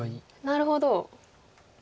なるほど。